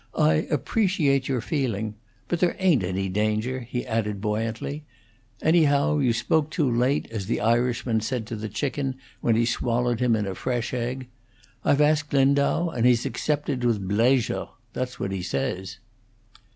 "I appreciate your feeling. But there ain't any danger," he added, buoyantly. "Anyhow, you spoke too late, as the Irishman said to the chicken when he swallowed him in a fresh egg. I've asked Lindau, and he's accepted with blayzure; that's what he says."